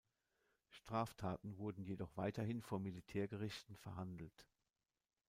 Straftaten wurden jedoch weiterhin vor Militärgerichten verhandelt.